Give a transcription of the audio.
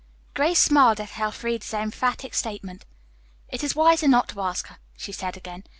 Grace smiled at Elfreda's emphatic statement. "It is wiser not to ask her," she said again.